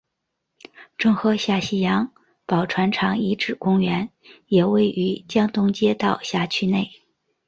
郑和下西洋宝船厂遗址公园也位于江东街道辖区内。